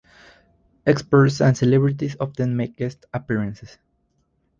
Experts and celebrities often make guest appearances.